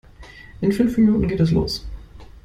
In fünf Minuten geht es los.